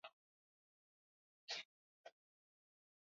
Watu walienda kwenye baraza za nyumba zao na kugonga vyombo vyao vya jikoni.